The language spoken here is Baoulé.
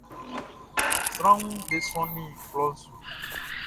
Sranʼm be sɔnnin klɔʼn su.